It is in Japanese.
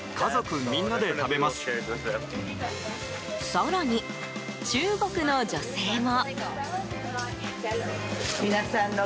更に、中国の女性も。